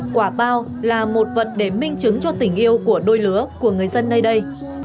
quả bao là một vật để minh chứng cho tình yêu của đôi lứa của người dân nơi đây